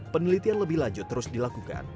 penelitian lebih lanjut terus dilakukan